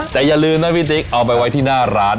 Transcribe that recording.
แต่อย่าลืมนะพี่ติ๊กเอาไปไว้ที่หน้าร้าน